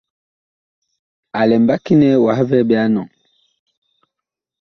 A lɛ mbaki nɛ wah vɛɛ ɓe a enɔŋ ?